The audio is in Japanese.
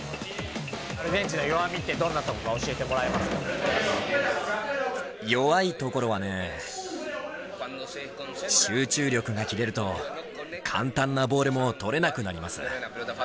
アルゼンチンの弱みって、弱いところはね、集中力が切れると、簡単なボールも取れなくなります。